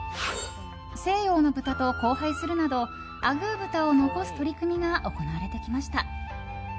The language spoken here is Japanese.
西洋の豚と交配するなどあぐー豚を残す取り組みが行われてきました。